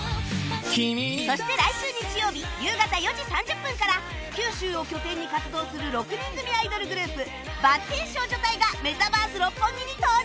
そして来週日曜日夕方４時３０分から九州を拠点に活動する６人組アイドルグループばってん少女隊がメタバース六本木に登場！